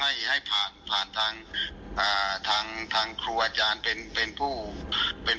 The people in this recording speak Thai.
ให้ให้ผ่านผ่านทางอ่าทางทางครูอาจารย์เป็นเป็นผู้เป็น